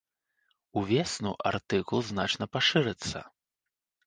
Увесну артыкул значна пашырыцца.